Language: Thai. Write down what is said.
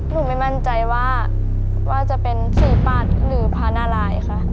ไม่มั่นใจว่าจะเป็นสีปัดหรือพระนารายค่ะ